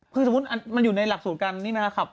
คือสมมุติมันอยู่ในหลักสูตรกันนี่นะครับ